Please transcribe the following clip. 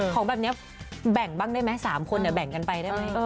ของแบบนี้แบ่งบ้างได้ไหม๓คนแบ่งกันไปได้ไหม